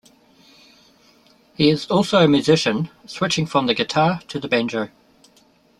He is also a musician, switching from the guitar to the banjo.